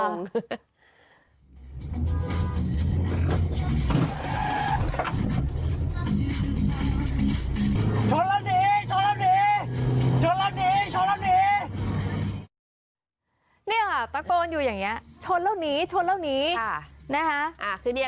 นี่ค่ะตะโกนอยู่อย่างนี้